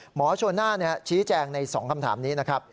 โชน่าชี้แจงใน๒คำถามนี้นะครับ